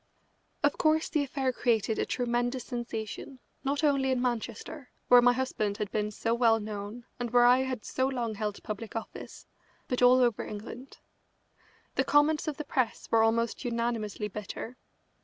Of course the affair created a tremendous sensation, not only in Manchester, where my husband had been so well known and where I had so long held public office, but all over England. The comments of the press were almost unanimously bitter.